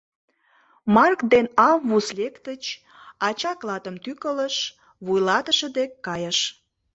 Марк ден Аввус лектыч, ача клатым тӱкылыш, вуйлатыше дек кайыш.